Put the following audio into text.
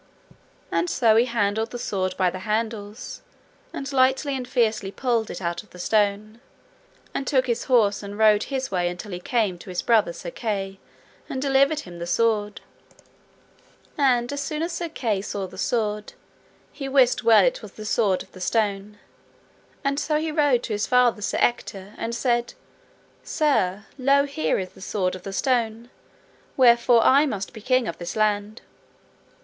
And so he handled the sword by the handles, and lightly and fiercely pulled it out of the stone, and took his horse and rode his way until he came to his brother Sir Kay, and delivered him the sword. And as soon as Sir Kay saw the sword, he wist well it was the sword of the stone, and so he rode to his father Sir Ector, and said: Sir, lo here is the sword of the stone, wherefore I must be king of this land.